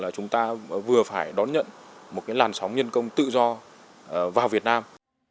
chúng ta vừa phải đón nhận một làn sóng nhân công tự do vào việt nam